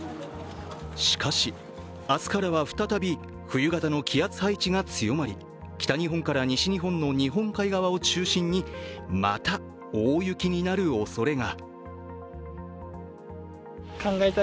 しかし、明日からは再び冬型の気圧配置が強まり北日本から西日本の日本海側を中心にまた、大雪になる恐れが。